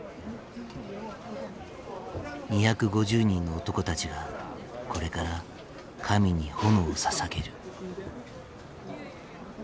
２５０人の男たちがこれから神に炎をささげる。